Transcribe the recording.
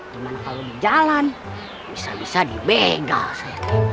cuman kalau di jalan bisa bisa dibegal saya tuh